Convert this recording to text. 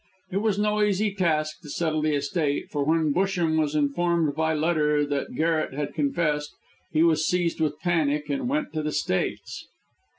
It was no easy task to settle the estate, for, when Busham was informed by letter that Garret had confessed, he was seized with panic and went to the States.